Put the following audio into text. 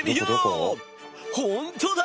本当だ！